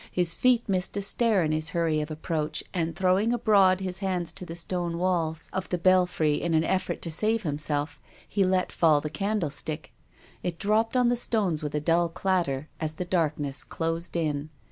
His feet missed a stair in his hurry of approach, and throwing abroad his hands to the stone walls of the belfry in an effort to save himself, he let fall the candlestick. It dropped on the stones with a dull clatter as the darkness closed in.